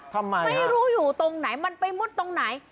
ไม่รู้อยู่ตรงไหนมันไปมุดตรงไหน